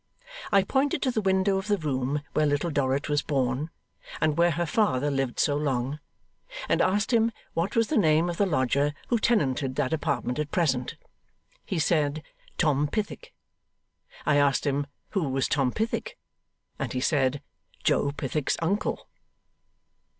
I pointed to the window of the room where Little Dorrit was born, and where her father lived so long, and asked him what was the name of the lodger who tenanted that apartment at present? He said, 'Tom Pythick.' I asked him who was Tom Pythick? and he said, 'Joe Pythick's uncle.